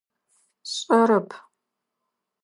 Сшӏэрэп.